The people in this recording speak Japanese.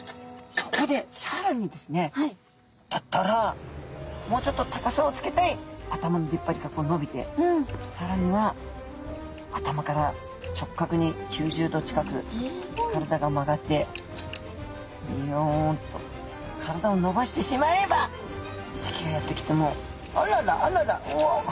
そこでさらにですねだったらもうちょっと高さをつけたい頭のでっぱりがこうのびてさらには頭から直角に９０度近く体が曲がってびよんと体をのばしてしまえば敵がやって来ても「あららあららうわ」。